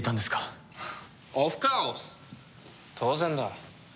当然だ。